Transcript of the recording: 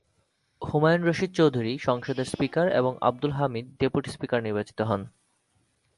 হুমায়ূন রশীদ চৌধুরী সংসদের স্পিকার এবং Abdul Hamid deputy speaker নির্বাচিত হন।